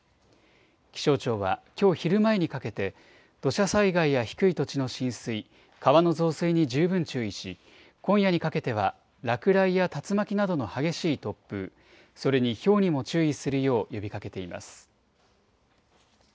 気象庁はきょう昼前にかけて、土砂災害や低い土地の浸水、川の増水に十分注意し、今夜にかけては落雷や竜巻などの激しい突風、それにひょうにも注意するよう呼びかけています。